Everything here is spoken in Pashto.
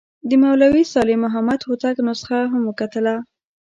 د مولوي صالح محمد هوتک نسخه هم وکتله.